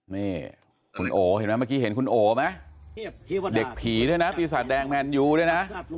นี่คุณโอเห็นไหมเมื่อกี้เห็นคุณโอไหมเด็กผีด้วยนะปีศาจแดงแมนยูด้วยนะ